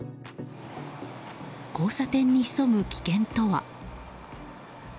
交差点に潜む危険とは。